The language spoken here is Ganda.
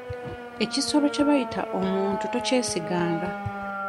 Ekisolo kye bayita omuntu tokyesiganga.